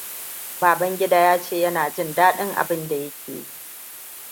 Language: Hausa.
Babangida ya ce yana jin daɗin abinda yake yi.